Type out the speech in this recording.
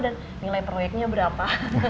dan nilai proyeknya berapa